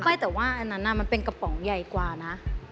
ไม่แต่ว่าอันนั้นมันเป็นกระป๋องใหญ่กว่านะ